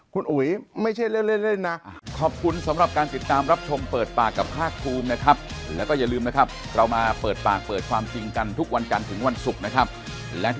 คุณอุ๋ยไม่ใช่เล่นนะ